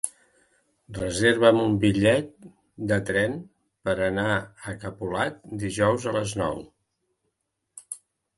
Reserva'm un bitllet de tren per anar a Capolat dijous a les nou.